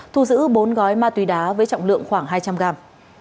thu giữ bốn gói ma túy đá với trọng lượng khoảng hai trăm linh gram